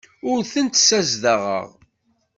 Ur tent-ssezdaɣeɣ.